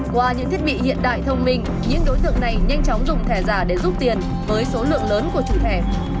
qua những thiết bị hiện đại thông minh những đối tượng này nhanh chóng dùng thẻ giả để giúp tiền với số lượng lớn của chủ thẻ